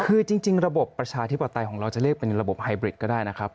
คือจริงระบบประชาธิปไตยของเราจะเรียกเป็นระบบไฮบริดก็ได้นะครับ